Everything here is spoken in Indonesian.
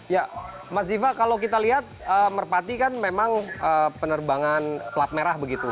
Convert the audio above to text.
ya mas ziva kalau kita lihat merpati kan memang penerbangan plat merah begitu